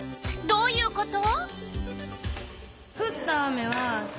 どういうこと？